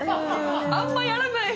あんまやらない。